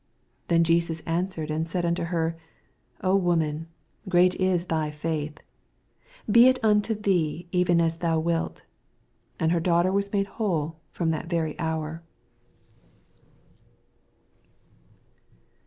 2S Then Jesus answered and said unto her, O woman, great it thy £uth : be it unto thee even as thou wilt. And her daughter was made whole from that very hour.